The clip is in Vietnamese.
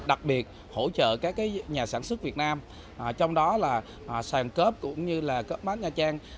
đặc biệt hỗ trợ các nhà sản xuất việt nam trong đó là sàn cớp cũng như là cớp mát nha trang